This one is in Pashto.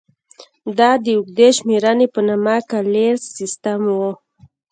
دا د اوږدې شمېرنې په نامه کالیز سیستم و.